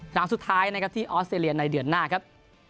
หลังสุดท้ายนะครับที่ออสเตรเลียในเดือนหน้าครับ